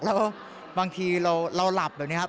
แล้วบางทีเราหลับแบบนี้ครับ